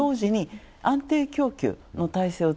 安定供給。